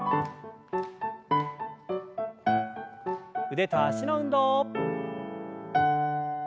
腕と脚の運動。